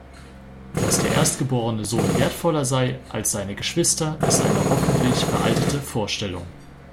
Dass der erstgeborene Sohn wertvoller sei als seine Geschwister, ist eine hoffentlich veraltete Vorstellung.